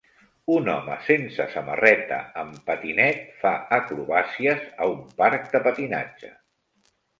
Un home sense samarreta amb patinet fa acrobàcies a un parc de patinatge.